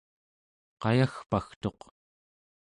qayagpagtuq